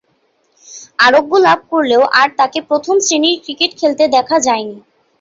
আরোগ্য লাভ করলেও আর তাকে প্রথম-শ্রেণীর ক্রিকেট খেলতে দেখা যায়নি।